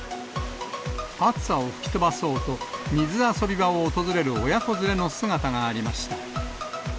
暑さを吹き飛ばそうと、水遊び場を訪れる親子連れの姿がありました。